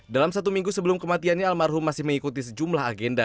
dalam satu minggu sebelum kematiannya almarhum masih mengikuti sejumlah agenda